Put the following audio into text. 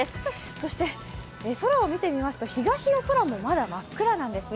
そして空を見てみますと、東の空もまだ真っ暗なんですね。